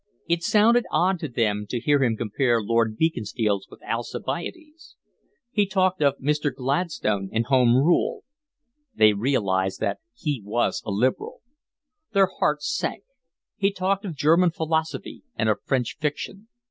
It sounded odd to them to hear him compare Lord Beaconsfield with Alcibiades. He talked of Mr. Gladstone and Home Rule. They realised that he was a Liberal. Their hearts sank. He talked of German philosophy and of French fiction.